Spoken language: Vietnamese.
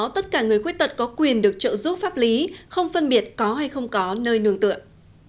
tất cả người khuyết tật có quyền được trợ giúp pháp lý không phân biệt có hay không có nơi nương tượng